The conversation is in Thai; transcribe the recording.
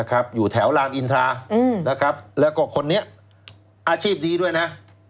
อยู่แถวรามอินทรานะครับแล้วก็คนนี้อาชีพดีด้วยนะ